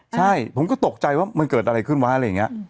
ใช่ผมก็ตกใจว่ามันเกิดอะไรขึ้นวะแบบนี้